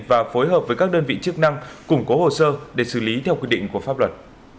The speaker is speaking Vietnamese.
và phối hợp với các đơn vị chức năng củng cố hồ sơ để xử lý theo quy định của pháp luật